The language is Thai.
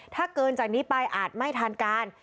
ถ้าเกินจากนี้ไปอาจไม่ทันการ